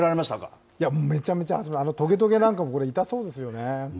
めちゃめちゃはせられました、トゲトゲなんかも、痛そうですよね。